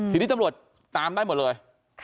ทีนี้ตำรวจตามได้หมดเลย